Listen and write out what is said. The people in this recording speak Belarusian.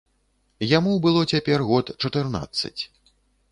Яму было цяпер год чатырнаццаць.